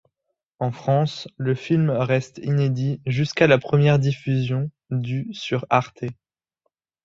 En France, le film reste inédit jusqu'à la première diffusion du sur Arte.